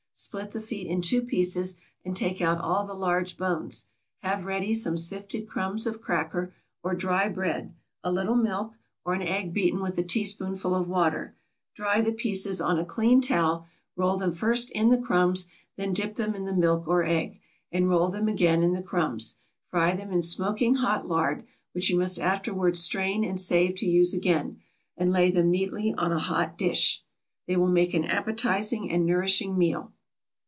Split the feet in two pieces, and take out all the large bones; have ready some sifted crumbs of cracker, or dry bread, a little milk, or an egg beaten with a teaspoonful of water; dry the pieces on a clean towel, roll them first in the crumbs, then dip them in the milk or egg, and roll them again in the crumbs; fry them in smoking hot lard, which you must afterwards strain and save to use again, and lay them neatly on a hot dish; they will make an appetizing and nourishing meal.